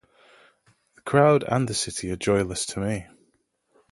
The crowd and the city are joyless to me.